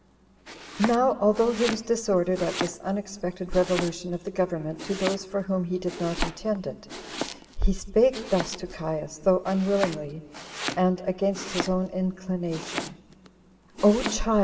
Now although he was disordered at this unexpected revolution of the government to those for whom he did not intend it, he spake thus to Caius, though unwillingly, and against his own inclination: "O child!